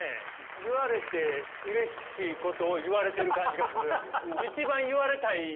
言われてうれしいことを言われてる感じがする。